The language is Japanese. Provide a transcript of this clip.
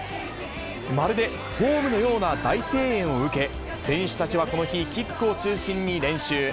まるでホームのような大声援を受け、選手たちはこの日、キックを中心に練習。